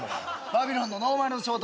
バビロンのー！